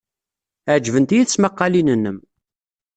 Ɛejbent-iyi tesmaqqalin-nnem.